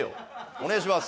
お願いします。